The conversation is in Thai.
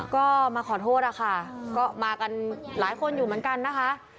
ก็มาขอโทษนะคะก็มากันหลายคนอยู่เหมือนกันนะคะ